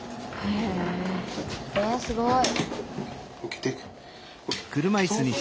えすごい。